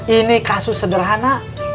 ini kasus sederhana